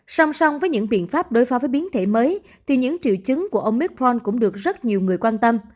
xong xong với những biện pháp đối phó với biến thể mới thì những triệu chứng của omicron cũng được rất nhiều người quan tâm